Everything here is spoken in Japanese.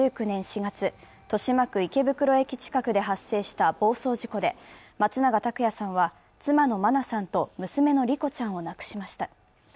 ２０１９年４月、豊島区池袋駅近くで発生した暴走事故で松永拓也さんは妻の真菜さんと娘の莉子ちゃんを亡くしました。